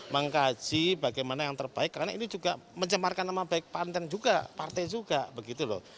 mengkaji bagaimana yang terbaik karena ini juga mencemarkan nama baik panten juga partai juga begitu loh